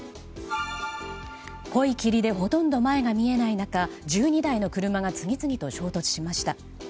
濃い霧でほとんど前が見えない中１２台の車が次々と衝突しました。